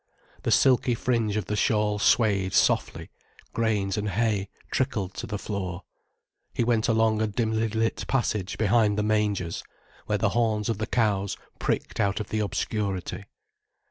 The silky fringe of the shawl swayed softly, grains and hay trickled to the floor; he went along a dimly lit passage behind the mangers, where the horns of the cows pricked out of the obscurity.